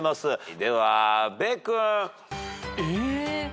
では阿部君。え。